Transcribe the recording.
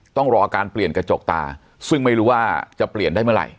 ต้องรอการเปลี่ยนกระจกตาซึ่งไม่รู้ว่าจะเปลี่ยนได้เมื่อไหร่